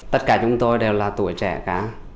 tất cả chúng tôi đều là tuổi trẻ cả